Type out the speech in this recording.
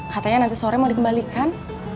katanya nanti sore mau dikembalikan